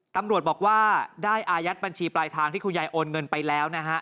ตำรวจบอกว่าได้อายัดบัญชีปลายทางที่คุณยายโอนเงินไปแล้วนะฮะ